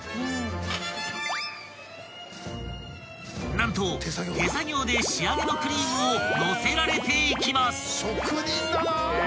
［何と手作業で仕上げのクリームをのせられていきます］